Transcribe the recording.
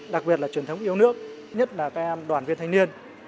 đặc biệt là truyền thống yêu nước nhất là các đoàn viên thanh niên